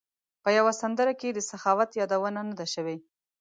په یوه سندره کې د سخاوت یادونه نه ده شوې.